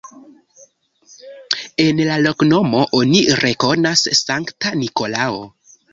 El la loknomo oni rekonas Sankta Nikolao.